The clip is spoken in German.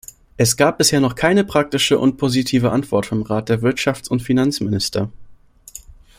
Es gab bisher noch keine praktische und positive Antwort vom Rat der Wirtschafts- und Finanzminister.